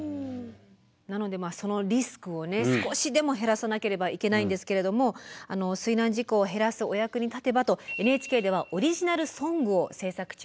なのでそのリスクを少しでも減らさなければいけないんですけれども水難事故を減らすお役に立てばとＮＨＫではオリジナルソングを制作中です。